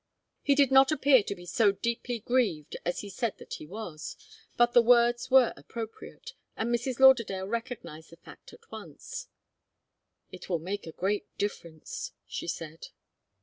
He did not appear to be so deeply grieved as he said that he was, but the words were appropriate, and Mrs. Lauderdale recognized the fact at once. "It will make a great difference," she said.